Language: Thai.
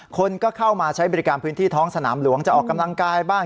คนก็เข้ามาใช้บริการพื้นที่ท้องสนามหลวงจะออกกำลังกายบ้าง